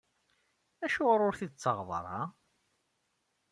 Acuɣer ur t-id-tettaɣeḍ ara?